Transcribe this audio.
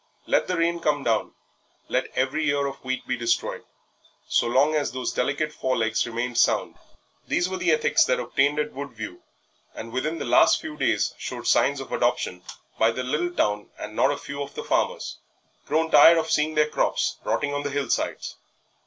Let the rain come down, let every ear of wheat be destroyed, so long as those delicate fore legs remained sound. These were the ethics that obtained at Woodview, and within the last few days showed signs of adoption by the little town and not a few of the farmers, grown tired of seeing their crops rotting on the hill sides.